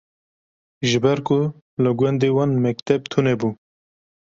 Ji ber ku li gundê wan mekteb tunebû